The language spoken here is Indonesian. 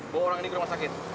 bawa orang ini ke rumah sakit